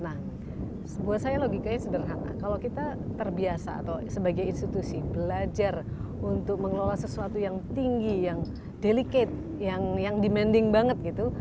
nah buat saya logikanya sederhana kalau kita terbiasa atau sebagai institusi belajar untuk mengelola sesuatu yang tinggi yang delicate yang demanding banget gitu